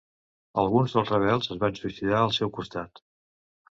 Alguns dels rebels es van suïcidar al seu costat.